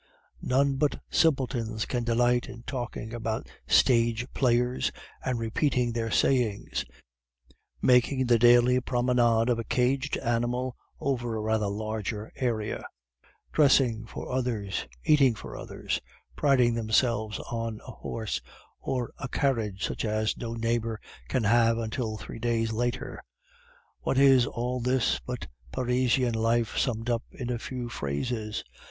None but simpletons can delight in talking about stage players and repeating their sayings; making the daily promenade of a caged animal over a rather larger area; dressing for others, eating for others, priding themselves on a horse or a carriage such as no neighbor can have until three days later. What is all this but Parisian life summed up in a few phrases?